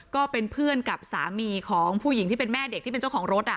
ก็เป็นเพื่อนกับสามีของผู้หญิงที่เป็นแม่เด็กที่เป็นเจ้าของรถ